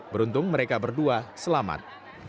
beruntung mereka berdua selamat